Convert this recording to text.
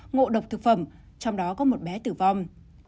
ngộ độc thực phẩm trong đó có một bé tử vong